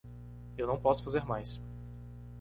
Eu não posso fazer mais.